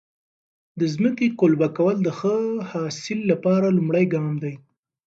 د ځمکې قلبه کول د ښه حاصل لپاره لومړی ګام دی.